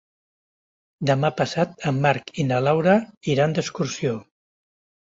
Demà passat en Marc i na Laura iran d'excursió.